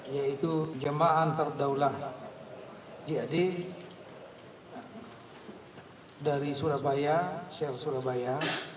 yang tersebut adalah jemaah terdaulah jad dari surabaya syar surabaya